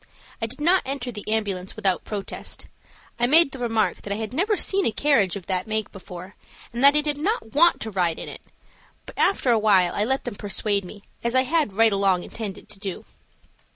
I did not enter the ambulance without protest. I made the remark that I had never seen a carriage of that make before, and that I did not want to ride in it, but after awhile I let them persuade me, as I had right along intended to do.